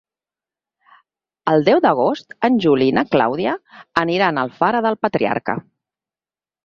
El deu d'agost en Juli i na Clàudia aniran a Alfara del Patriarca.